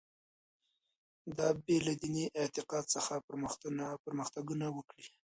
دا بې له دیني اعتقاد څخه پرمختګونه وکړي.